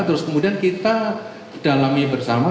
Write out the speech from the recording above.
terus kemudian kita dalami bersama